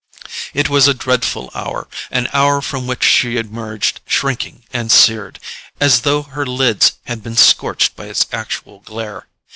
It was a dreadful hour—an hour from which she emerged shrinking and seared, as though her lids had been scorched by its actual glare.